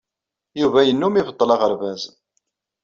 Yuba yennum ibeṭṭel aɣerbaz.